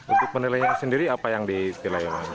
untuk penilaian sendiri apa yang dipilai